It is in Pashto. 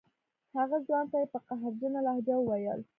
هغه ځوان ته یې په قهرجنه لهجه وویل.